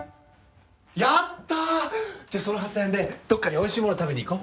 やったじゃあその８，０００円でどっかにおいしいもの食べに行こう。